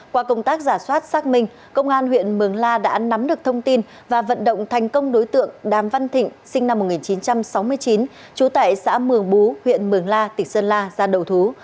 qua công tác giả soát xác minh công an huyện mường la đã nắm được thông tin và vận động thành công đối tượng đàm văn thịnh sinh năm một nghìn chín trăm sáu mươi chín trú tại xã mường bú huyện mường la tỉnh sơn la ra đầu thú